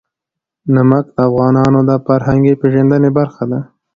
نمک د افغانانو د فرهنګي پیژندنې برخه ده.